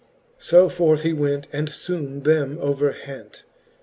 XI. So forth he went, and {bone them over hent.